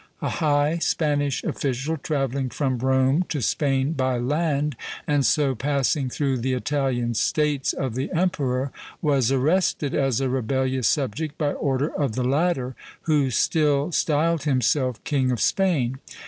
A high Spanish official, travelling from Rome to Spain by land, and so passing through the Italian States of the emperor, was arrested as a rebellious subject by order of the latter, who still styled himself King of Spain.